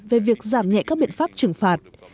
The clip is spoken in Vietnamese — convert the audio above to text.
về việc giảm nhẹ các biện pháp trừng phạt